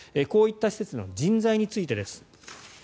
こういった施設の人材についてです。